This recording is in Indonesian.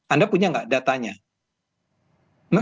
anda punya nggak datanya